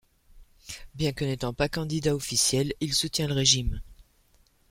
Bien que n'étant pas candidat officiel, il soutient le régime.